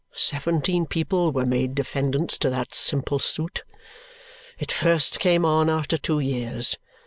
Seventeen people were made defendants to that simple suit! It first came on after two years.